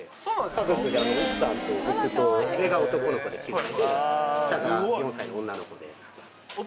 家族で奥さんと僕と上が男の子で９歳で下が４歳の女の子で。